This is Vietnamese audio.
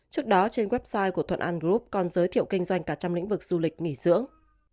trước đó trên website của thuận an group còn giới thiệu kinh doanh cả trong lĩnh vực du lịch nghỉ dưỡng